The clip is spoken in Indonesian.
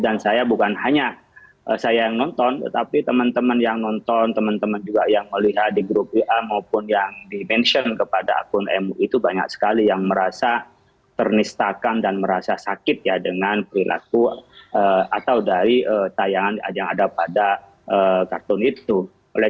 dan saya bukan hanya saya yang nonton tetapi teman teman yang nonton teman teman juga yang melihat di grup ia maupun yang dimention kepada akun mu itu banyak sekali yang merasa ternistakan dan merasa sakit ya dengan perilaku atau dari tayangan yang ada pada nabi muhammad saw